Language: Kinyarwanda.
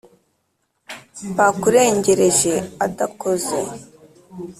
bakurengereje adakoze